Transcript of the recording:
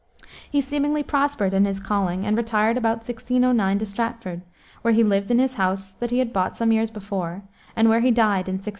He seemingly prospered in his calling and retired about 1609 to Stratford, where he lived in the house that he had bought some years before, and where he died in 1616.